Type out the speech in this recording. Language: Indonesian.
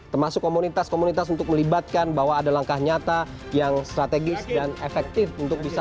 termasuk komunitas komunitas untuk melibatkan bahwa ada langkah nyata yang strategis dan efektif untuk bisa